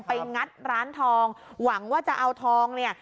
งัดร้านทองหวังว่าจะเอาทองเนี่ย